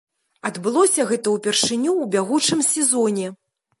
Адбылося гэта ўпершыню ў бягучым сезоне.